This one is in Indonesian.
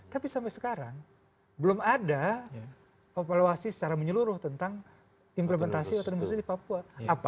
tapi sampai sekarang belum ada evaluasi secara menyeluruh tentang implementasi otonomisi di papua